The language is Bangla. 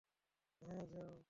হ্যাঁ, যাও!